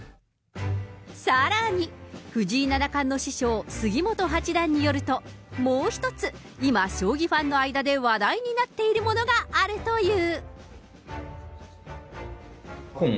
さらに、藤井七冠の師匠、杉本八段によると、もう一つ、今将棋ファンの間で話題になっているものがあるという。